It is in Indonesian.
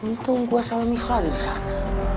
untung gue salah misal disana